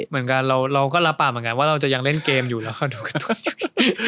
เหมือนกันเราก็รับปากเหมือนกันว่าเราจะยังเล่นเกมอยู่แล้วก็ดูกันด้วย